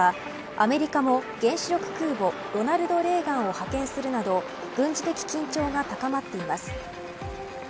アメリカも原子力空母ロナルド・レーガンを派遣するなど軍事的緊張が高まっています。